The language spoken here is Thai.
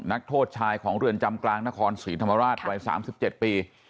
นักโทษชายของเรือนจำกลางนครศรีธรรมราชวัย๓๗ปี